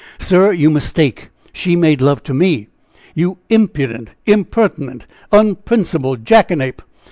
"Sir, you mistake, she made love to me." "You impudent, impertinent, unprincipled jackanape."